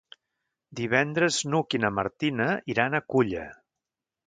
Divendres n'Hug i na Martina iran a Culla.